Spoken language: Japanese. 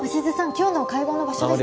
今日の会合の場所ですけど。